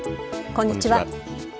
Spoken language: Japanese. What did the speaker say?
こんにちは。